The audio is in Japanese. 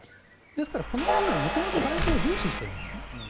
ですからこの国は元々外交を重視しているんです。